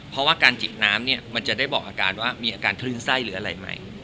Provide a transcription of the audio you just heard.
เพราะว่าการจิกน้ำเนี่ยมันจะได้บอกอาการว่ามีอาการคลื่นไส้หรืออะไรไหม